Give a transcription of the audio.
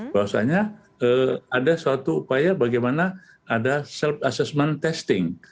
bahwasanya ada suatu upaya bagaimana ada self assessment testing